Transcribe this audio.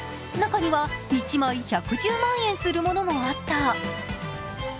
中には１枚１１０万円するものもあった。